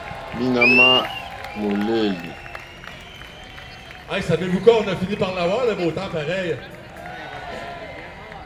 Mǐīnā má mòlêlì.